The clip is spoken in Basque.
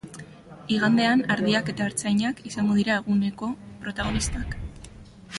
Igandean ardiak eta artzainak izango dira eguneko protagonistak.